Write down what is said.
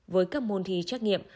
với các môn thí trắc nghiệm